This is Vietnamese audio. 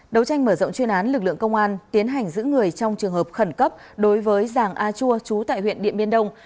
đấu tranh mở rộng chuyên án lực lượng công an tiến hành giữ người trong trường hợp khẩn cấp đối với giàng a chua chú tại huyện điện biên đông